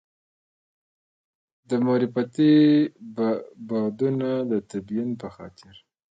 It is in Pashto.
د معرفتي بعدونو د تبیین په خاطر.